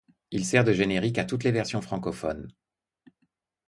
Il sert de générique à toutes les versions francophones.